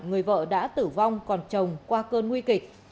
người vợ đã tử vong còn chồng qua cơn nguy kịch